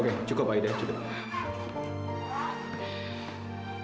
oke cukup aida cukup